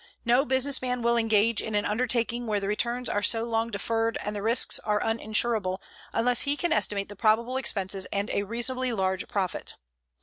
No business man will engage in an undertaking where the returns are so long deferred and the risks are uninsurable unless he can estimate the probable expenses and a reasonably large profit.